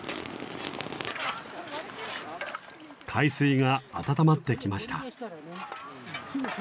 海水が温まってきました。